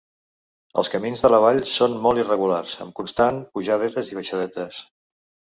Els camins de la vall són molt irregulars, amb constant pujadetes i baixadetes.